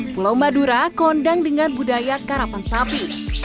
pulau madura kondang dengan budaya karapan sapi